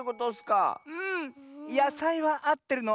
やさいはあってるの。